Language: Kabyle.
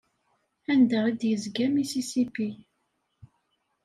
Anda i d-yezga Mississippi?